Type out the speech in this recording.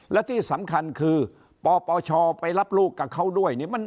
และที่สำคัญคือปปชไปรับลูกกับเขาด้วยเนี่ย